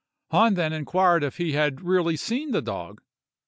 Hahn then inquired if he had really seen the dog.